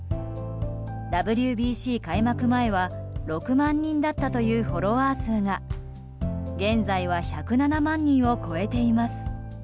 ＷＢＣ開幕前は６万人だったというフォロワー数が現在は１０７万人を超えています。